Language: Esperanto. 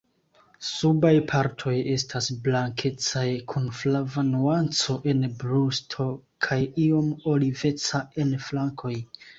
Subaj partoj estas blankecaj kun flava nuanco en brusto kaj iom oliveca en flankoj.